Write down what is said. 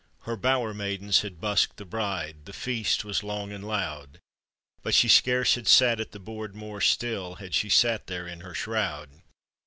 Her bower maidens had busked the bride, The feast was long and loud, But she scarce bad sat at the board more still Had she sat there in her shroud.